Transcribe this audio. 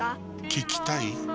聞きたい？